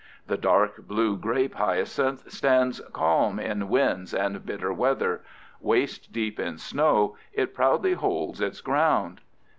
The dark blue grape hyacinth stands calm in winds and bitter weather; waist deep in snow, it proudly holds its ground.